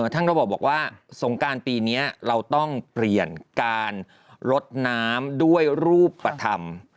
ท่านก็บอกว่าสงการปีนี้เราต้องเปลี่ยนการลดน้ำด้วยรูปธรรม